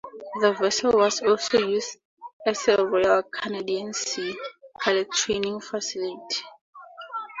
The vessel was also used as a Royal Canadian Sea Cadets training facility.